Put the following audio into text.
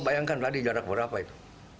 bayangkan tadi jarak berapa itu